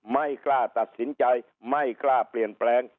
ไม่กล้าตัดสินใจไม่กล้าเปลี่ยนแปลง